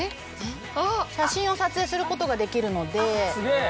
写真を撮影することができるので。